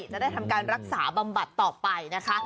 จะได้ทำการรักษาบำบัดต่อไปนะคะ